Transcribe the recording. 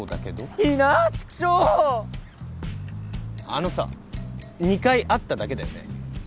あのさ２回会っただけだよね？